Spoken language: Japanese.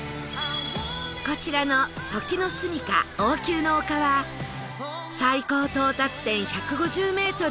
こちらの時之栖王宮の丘は最高到達点１５０メートル